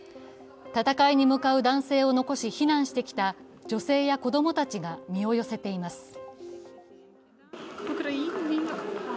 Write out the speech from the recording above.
戦いに向かう男性を残し、避難してきた女性や子供たちが身を寄せています。